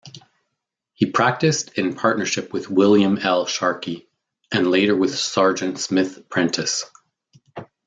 He practiced in partnership with William L. Sharkey, and later with Seargent Smith Prentiss.